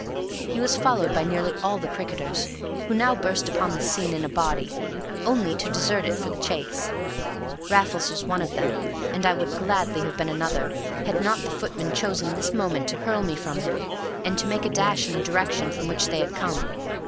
He was followed by nearly all the cricketers, who now burst upon the scene in a body, only to desert it for the chase. Raffles was one of them, and I would gladly have been another, had not the footman chosen this moment to hurl me from him, and to make a dash in the direction from which they had come.